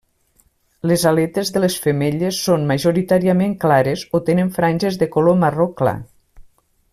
Les aletes de les femelles són majoritàriament clares o tenen franges de color marró clar.